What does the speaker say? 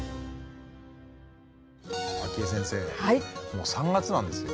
もう３月なんですよ。